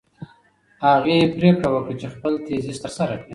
هغې پرېکړه وکړه چې خپل تیزیس ترسره کړي.